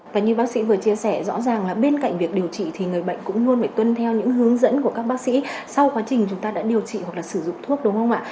và như bác sĩ vừa chia sẻ rõ ràng là bên cạnh việc điều trị thì người bệnh cũng luôn phải tuân theo những hướng dẫn của các bác sĩ sau quá trình chúng ta đã điều trị hoặc là sử dụng thuốc đúng không ạ